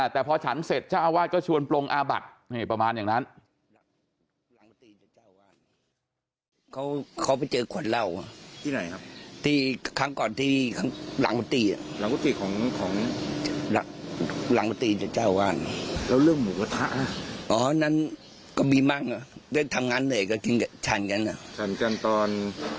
แต่พอฉันเสร็จเจ้าอาวาสก็ชวนปลงอาบัติประมาณอย่างนั้น